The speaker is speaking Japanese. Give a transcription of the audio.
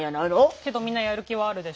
けどみんなやる気はあるでしょう？